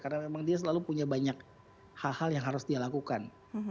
karena memang dia selalu punya banyak hal hal yang harus dia lakukan